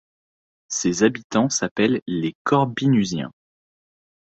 Ses habitants s'appellent les Corbinusiens.